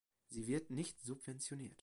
Sie wird nicht subventioniert.